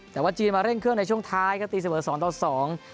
แต่ว่าจีนมาเร่งเครื่องในช่วงท้ายครับตีเสมอสองต่อสอง